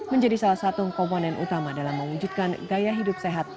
menjadi salah satu komponen utama dalam mewujudkan gaya hidup sehat